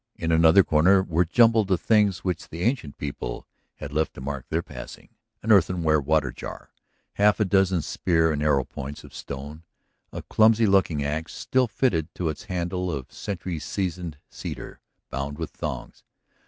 In another corner were jumbled the things which the ancient people had left to mark their passing, an earthenware water jar, half a dozen spear and arrow points of stone, a clumsy looking axe still fitted to its handle of century seasoned cedar, bound with thongs.